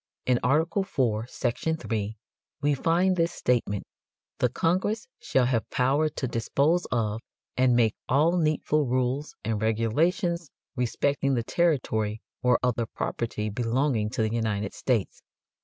In Art. IV, section 3, we find this statement: "The Congress shall have power to dispose of and make all needful rules and regulations respecting the territory or other property belonging to the United States."